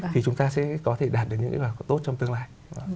thì chúng ta sẽ có thể đạt được những cái vở tốt trong tương lai